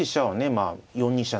まあ４二飛車